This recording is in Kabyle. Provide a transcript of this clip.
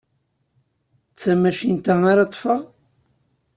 D tamacint-a ara ṭṭfeɣ?